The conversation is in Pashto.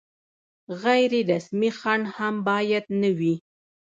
غیر رسمي خنډ هم باید نه وي.